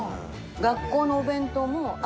学校のお弁当も朝ああ！